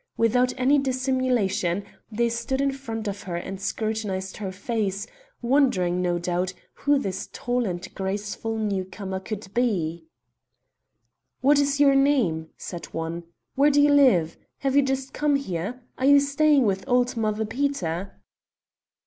Without any dissimulation, they stood in front of her and scrutinized her face, wondering, no doubt, who this tall and graceful newcomer could be. "What is your name?" said one. "Where do you live? Have you just come here? Are you staying with old Mother Peter?"